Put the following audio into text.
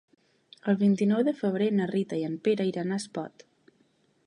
El vint-i-nou de febrer na Rita i en Pere iran a Espot.